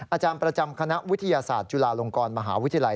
อาจารย์ประจำคณะวิทยาศาสตร์จุฬาลงกรมหาวิทยาลัย